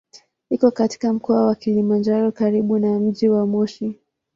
Iko katika Mkoa wa Kilimanjaro karibu na mji wa Moshi.